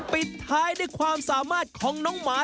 ปิดท้ายด้วยความสามารถของน้องหมา